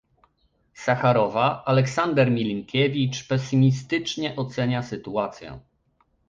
Sacharowa, Aleksander Milinkiewicz, pesymistycznie ocenia sytuację